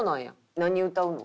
何歌うの？